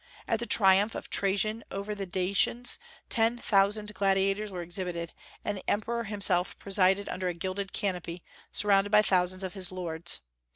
At the triumph of Trajan over the Dacians, ten thousand gladiators were exhibited, and the Emperor himself presided under a gilded canopy, surrounded by thousands of his lords.